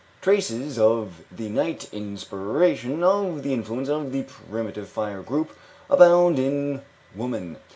"Traces of the night inspiration, of the influence of the primitive fire group, abound in woman.